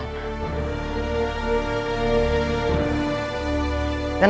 dengan adil dan bijaksana